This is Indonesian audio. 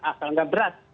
asal nggak berat